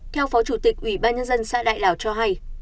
theo phó chủ tịch ủy ban nhân dân xã đại lào cho hay